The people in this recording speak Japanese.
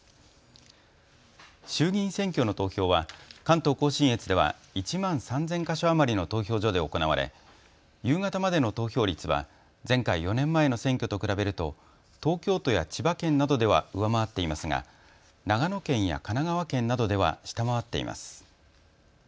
衆議院選挙の投票は関東甲信越では１万３０００か所余りの投票所で行われ夕方までの投票率は前回・４年前の選挙と比べると東京都や千葉県などでは上回っていますが長野県や神奈川県などでは下回っています。